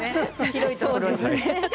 広いところにね。